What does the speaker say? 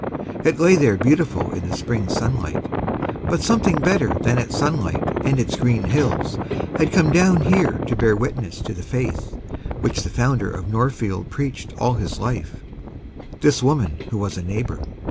It lay there beautiful in the spring sunlight. But something better than its sunlight and its green hills had come down here to bear witness to the faith which the founder of Northfield preached all his life, this woman who was a neighbor.